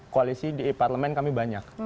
koalisi di parlemen kami banyak